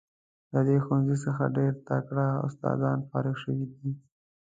له دې ښوونځي څخه ډیر تکړه استادان فارغ شوي دي.